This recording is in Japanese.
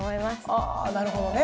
あなるほどね。